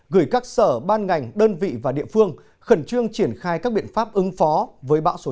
gửi các sở ban ngành đơn vị và địa phương khẩn trương triển khai các biện pháp ứng phó với bão số chín